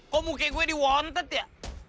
kok muka gue diwontet ya